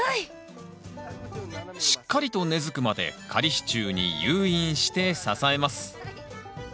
しっかりと根づくまで仮支柱に誘引して支えます。